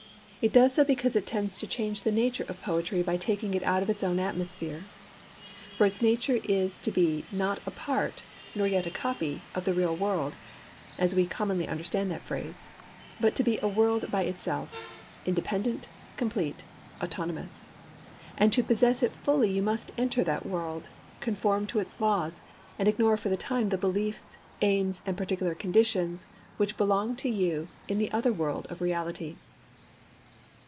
It does so because it tends to change the nature of poetry by taking it out of its own atmosphere. For its nature is to be not a part, nor yet a copy, of the real world (as we commonly understand that phrase), but to be a world by itself, independent, complete, autonomous; and to possess it fully you must enter that world, conform to its laws, and ignore for the time the beliefs, aims, and particular conditions which belong to you in the other world of reality.